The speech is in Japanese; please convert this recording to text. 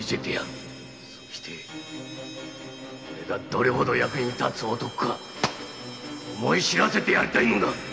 そしておれがどれほど役に立つ男か思い知らせてやりたいのだ